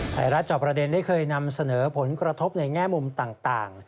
จอบประเด็นได้เคยนำเสนอผลกระทบในแง่มุมต่าง